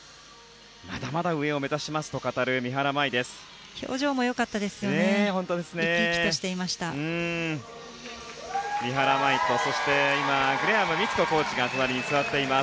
まだまだ上を目指しますと語る三原舞依です。